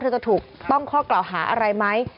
จะถูกต้องข้อกล่าวหาอะไรไหม